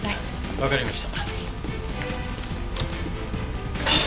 わかりました。